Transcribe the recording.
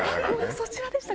そちらでしたか！